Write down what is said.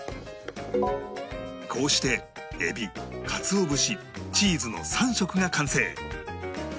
こうしてエビ鰹節チーズの３色が完成